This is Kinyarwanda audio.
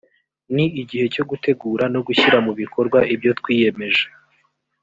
ni igihe cyo gutegura no gushyira mu bikorwa ibyo twiyemeje